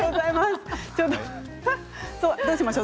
どうしましょう？